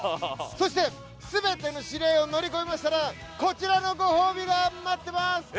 そして、全ての試練を乗り越えましたらこちらのご褒美が待ってます。